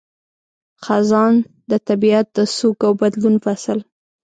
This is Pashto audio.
خزان – د طبیعت د سوګ او بدلون فصل